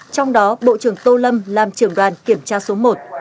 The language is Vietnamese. trong đó bộ trưởng tô lâm làm trưởng đoàn kiểm tra số một